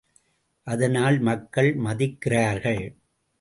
அதனால், மக்கள் மதிக்கிறார்கள்!